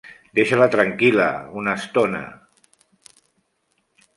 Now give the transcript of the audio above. Deixa-la tranquil·la una estona!